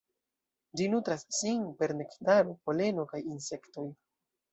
Ĝi nutras sin per nektaro, poleno kaj insektoj.